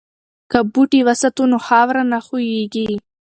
که بوټي وساتو نو خاوره نه ښویېږي.